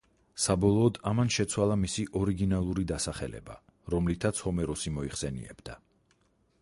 საბოლოოდ ამან შეცვალა მისი ორიგინალური დასახელება, რომლითაც ჰომეროსი მოიხსენიებდა.